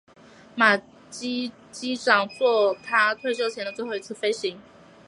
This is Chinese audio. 马基机长作他退休前的最后一次飞行。